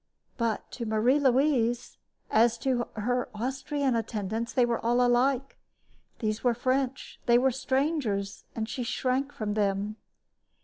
But to Marie Louise, as to her Austrian attendants, they were all alike. They were French, they were strangers, and she shrank from them.